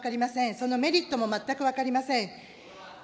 そのメリットも全く分かりません。